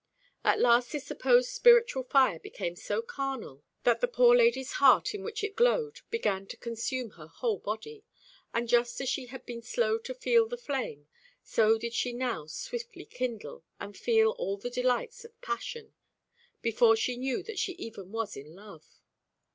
At last this supposed spiritual fire became so carnal that the poor lady's heart in which it glowed began to consume her whole body; and just as she had been slow to feel the flame, so did she now swiftly kindle, and feel all the delights of passion, before she knew that she even was in love.